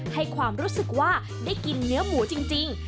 ให้ความรู้สึกว่าได้กินเนื้อหมูจริง